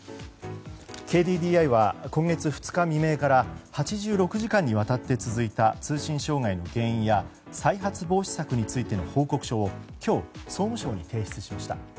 ＫＤＤＩは今月２日未明から８６時間にわたって続いた通信障害の原因や再発防止策についての報告書を今日、総務省に提出しました。